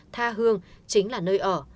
tha hương chính là nơi ở